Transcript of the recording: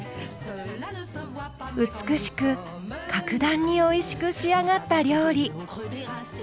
美しく格段においしく仕上がった料理。